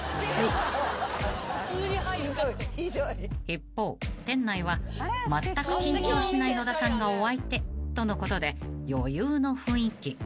［一方店内はまったく緊張しない野田さんがお相手とのことで余裕の雰囲気］